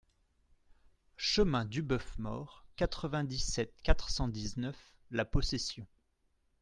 Chemin du Boeuf Mort, quatre-vingt-dix-sept, quatre cent dix-neuf La Possession